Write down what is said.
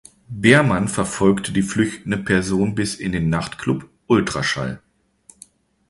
Beermann verfolgt die flüchtende Person bis in den Nachtclub „Ultraschall“.